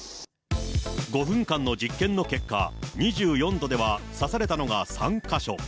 ５分間の実験の結果、２４度では刺されたのが３か所。